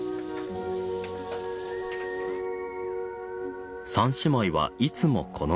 三姉妹はいつもこの並び。